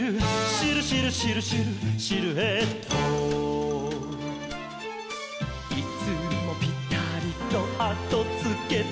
「シルシルシルシルシルエット」「いつもぴたりとあとつけてくる」